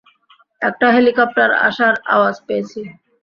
একটা হেলিকপ্টার আসার আওয়াজ পেয়েছি।